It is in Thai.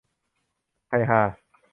ไทยฮา